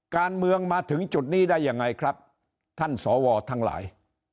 การเมืองมาถึงจุดนี้ได้ยังไงครับท่านสวทั้งหลาย